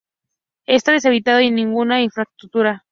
Está deshabitado y sin ninguna infraestructura.